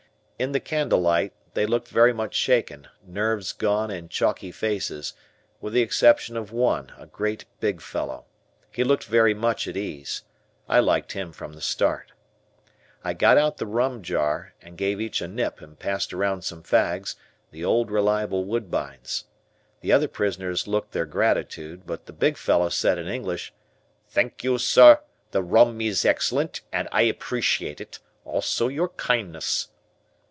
In the candlelight, they looked very much shaken, nerves gone and chalky faces, with the exception of one, a great big fellow. He looked very much at ease. I liked him from the start. I got out the rum jar and gave each a nip and passed around some fags, the old reliable Woodbines. The other prisoners looked their gratitude, but the big fellow said in English, "Thank you, sir, the rum is excellent and I appreciate it, also your kindness."